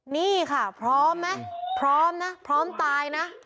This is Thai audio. นี่ค่ะพร้อมไหมพร้อมนะพร้อมตายนะ